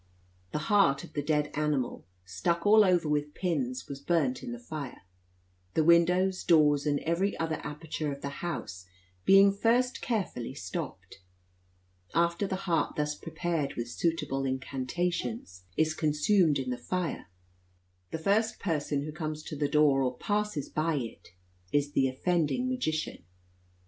The heart of the dead animal, stuck all over with pins, was burnt in the fire; the windows, doors, and every other aperture of the house being first carefully stopped. After the heart, thus prepared with suitable incantations, is consumed in the fire, the first person who comes to the door or passes by it is the offending magician.